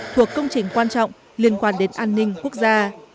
thuộc công trình quan trọng liên quan đến an ninh quốc gia